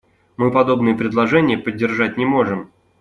Мы подобные предложения поддержать не можем.